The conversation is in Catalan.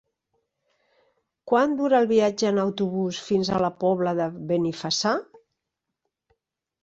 Quant dura el viatge en autobús fins a la Pobla de Benifassà?